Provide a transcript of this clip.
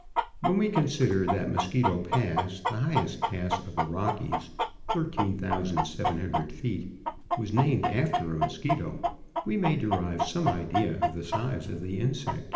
When we consider that Mosquito Pass, the highest pass of the Rockies, 13,700 feet, was named after a mosquito we may derive some idea of the size of the insect.